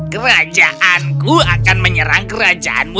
kerajaanku akan menyerang kerajaanmu